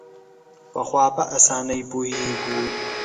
پخوا په اسانۍ پوهېږو.